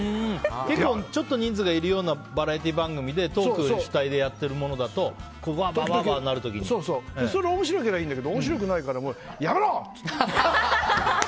ちょっと人数がいるようなバラエティー番組でトーク主体でやってるものだと面白ければいいんだけど面白くない時にやめろ！